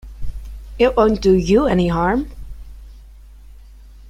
It won't do you any harm.